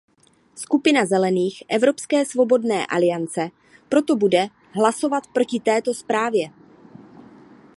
Skupina Zelených/Evropské svobodné aliance proto bude hlasovat proti této zprávě.